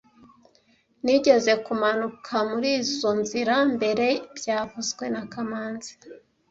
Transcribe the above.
Nigeze kumanuka murizoi nzira mbere byavuzwe na kamanzi